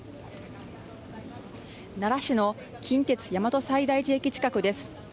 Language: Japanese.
奈良市の近鉄大和西大寺駅近くです。